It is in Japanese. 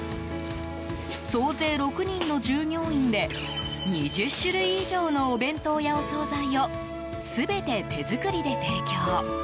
総勢６人の従業員で２０種類以上のお弁当やお総菜を全て手作りで提供。